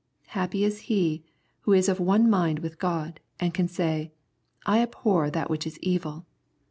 Happy is he who is of one mind with God, and can say, I " abhor that which is evil."